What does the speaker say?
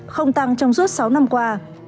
không tăng trong suốt sáu năm qua